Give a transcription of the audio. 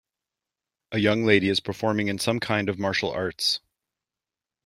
A young lady is performing in some kind of martial arts.